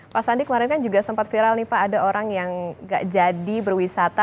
pak sandi kemarin kan juga sempat viral nih pak ada orang yang gak jadi berwisata